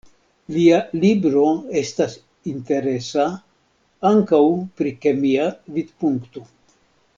Lia libro estas interesa ankaŭ pri kemia vidpunkto.